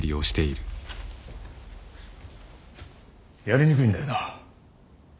やりにくいんだよなあ。